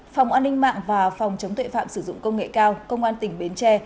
phòng an ninh mạng và phòng chống tuệ phạm sử dụng công nghệ cao công an tỉnh bến tre